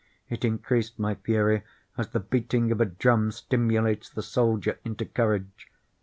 It increased my fury, as the beating of a drum stimulates the soldier into courage.